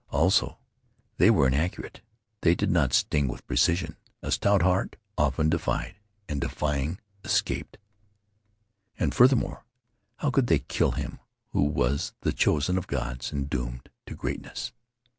Also, they were inaccurate; they did not sting with precision. A stout heart often defied, and defying, escaped. And, furthermore, how could they kill him who was the chosen of gods and doomed to greatness?